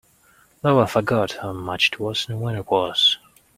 Though I forgot how much it was and when it was.